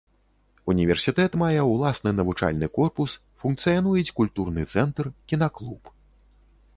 Універсітэт мае ўласны навучальны корпус, функцыянуюць культурны цэнтр, кінаклуб.